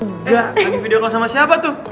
lagi video kelas sama siapa tuh